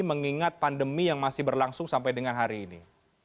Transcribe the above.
mengingat pandemi yang masih berlangsung sampai dengan hari ini